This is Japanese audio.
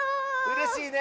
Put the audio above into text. うれしいね！